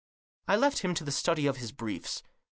I left him to the study of his briefs.